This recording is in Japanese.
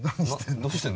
どうしてんの？